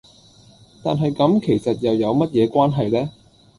但係咁其實又有乜嘢關係呢?